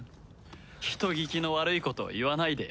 人聞きの悪いことを言わないでよ。